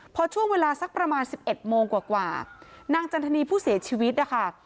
พอช่วงเวลาสักประมาณ๑๑โมงกว่านางจันทนีผู้เสียชีวิตนะคะ